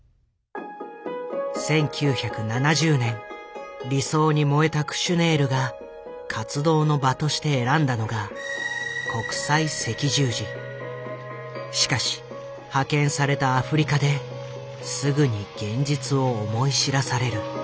１９７０年理想に燃えたクシュネールが活動の場として選んだのがしかし派遣されたアフリカですぐに現実を思い知らされる。